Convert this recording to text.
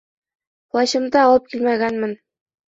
Плащымды алып килмәгәнмен.